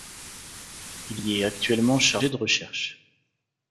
Il y est actuellement chargé de recherche.